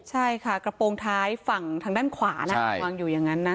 ใช่ค่ะกระโปรงท้ายฝั่งทางด้านขวานะวางอยู่อย่างนั้นนะ